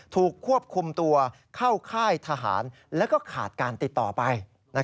ถูกควบคุมตัวเข้าค่ายทหารแล้วก็ขาดการติดต่อไป